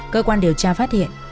cơ quan điều tra phát hiện